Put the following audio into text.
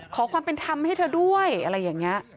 ขอความเป็นธรรมให้เธอด้วยอะไรอย่างนี้